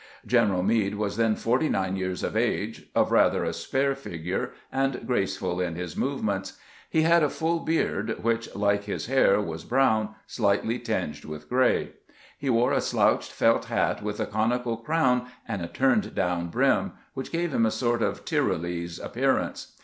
G eneral Meade was then forty nine years of age, of rather a spare figure, and graceful in his movements. He had a full beard, which, like his hair, was brown, slightly tinged with gray. He wore a slouched felt hat with a conical crown and a turned down rim, which gave him a sort of Tyrolese appear ance.